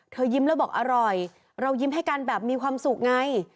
ยิ้มแล้วบอกอร่อยเรายิ้มให้กันแบบมีความสุขไง